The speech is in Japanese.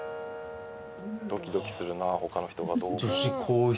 「ドキドキするな他の人がどう思うか」